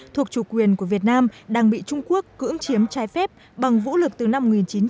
thuộc chủ quyền của việt nam đang bị trung quốc cưỡng chiếm trái phép bằng vũ lực từ năm một nghìn chín trăm tám mươi